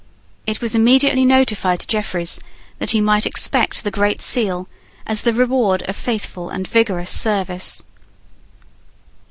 It was immediately notified to Jeffreys that he might expect the Great Seal as the reward of faithful and vigorous service.